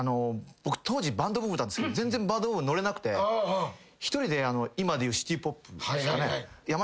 僕当時バンドブームなんですけど全然バンドブームのれなくて一人で今でいうシティーポップ。